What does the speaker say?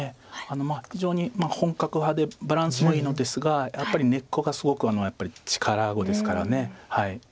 非常に本格派でバランスもいいのですがやっぱり根っこがすごく力碁ですから。